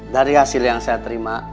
dari hasil yang saya terima